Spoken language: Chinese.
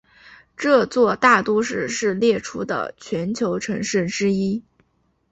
这座大都市是列出的全球城市之一。